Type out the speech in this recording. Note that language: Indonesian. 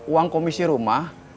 uang komisi rumah